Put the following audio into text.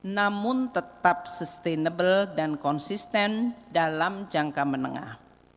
namun tetap sustainable dan konsisten dalam jangka menengah